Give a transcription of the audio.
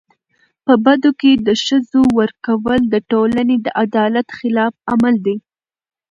په بدو کي د ښځو ورکول د ټولني د عدالت خلاف عمل دی.